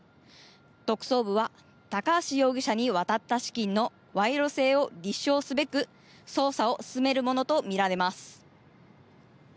特捜部は高橋容疑者に渡った資金の賄賂性を立証すべく捜査を進めるものとみられます。